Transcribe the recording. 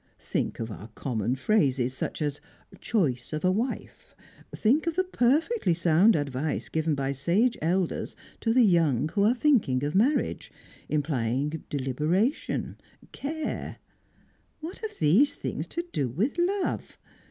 Think of our common phrases, such as 'choice of a wife'; think of the perfectly sound advice given by sage elders to the young who are thinking of marriage, implying deliberation, care. What have these things to do with love?